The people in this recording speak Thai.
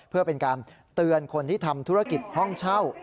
เพื่อเป็นการเตือนคนที่ทำธุรกิจห้องเช่า